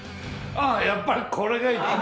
やっぱりこれが一番。